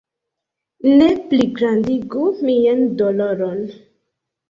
Ne pligrandigu mian doloron!